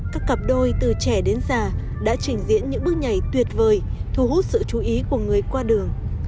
các cặp đôi từ trẻ đến già đã trình diễn những bước nhảy tuyệt vời thu hút sự chú ý của người qua đường